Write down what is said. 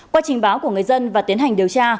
qua trình báo của người dân và tiến hành điều tra